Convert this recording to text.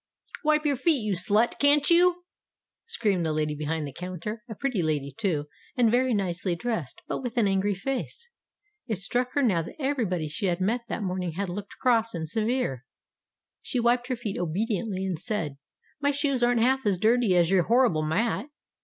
"Wipe your feet, you slut, can't you?" screamed the lady behind the counter a pretty lady, too, and very nicely dressed, but with an angry face. It struck her KIND WORDS 307 now that everybody she had met that morning had looked cross and severe. She wiped her feet obediently, and said, "My shoes aren't half as dirty as your horrible mat."